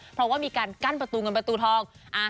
เพราะว่ามีการกั้นประตูเงินประตูทอง